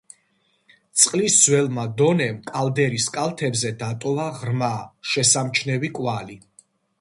წყლის ძველმა დონემ კალდერის კალთებზე დატოვა ღრმა, შესამჩნევი კვალი.